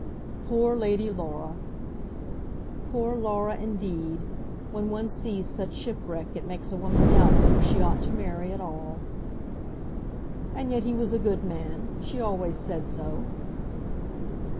"Poor Lady Laura!" "Poor Laura, indeed! When one sees such shipwreck it makes a woman doubt whether she ought to marry at all." "And yet he was a good man. She always said so."